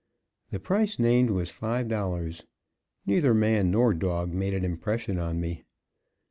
The price named was $5. Neither man nor dog made an impression on me.